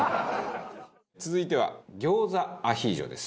続いては餃子アヒージョです。